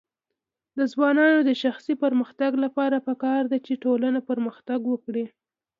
د ځوانانو د شخصي پرمختګ لپاره پکار ده چې ټولنه پرمختګ ورکړي.